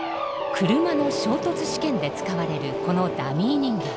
車の衝突試験で使われるこのダミー人形。